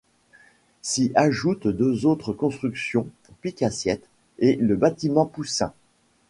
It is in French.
S'y ajoutent deux autres constructions, Pic'assiette et le bâtiment Poucin.